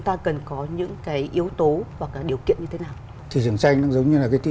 ta cần có những cái yếu tố hoặc là điều kiện như thế nào thị trường tranh giống như là cái thị